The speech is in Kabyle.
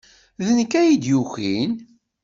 D nekk ay d-yukin.